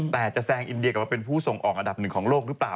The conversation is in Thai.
แต่จะแซงอินเดียกลับมาเป็นผู้ส่งออกอันดับหนึ่งของโลกหรือเปล่า